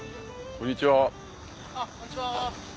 こんにちは。